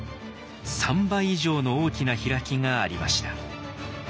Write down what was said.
３倍以上の大きな開きがありました。